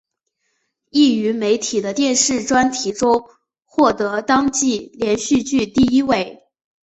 亦于媒体的电视专题中获得当季连续剧第一位。